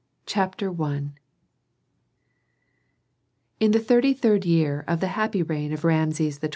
CHAPTER I In the thirty third year of the happy reign of Rameses XII.